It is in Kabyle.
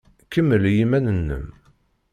Kemmel i yiman-nnem.